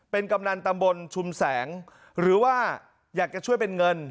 เป็นกำนันตำบลชุมแสงหรือว่าอยากจะช่วยเป็นเงิน